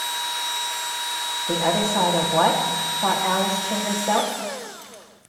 The other side of what?’ thought Alice to herself.